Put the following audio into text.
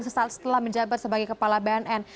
sesaat setelah menjabat sebagai kepala bnn